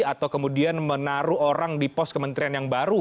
atau kemudian menaruh orang di pos kementerian yang baru